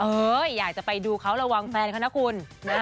อยากจะไปดูเขาระวังแฟนเขานะคุณ